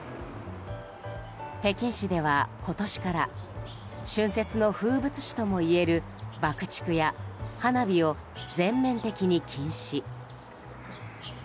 北京市では今年から春節の風物詩ともいえる爆竹や花火を全面的に禁止。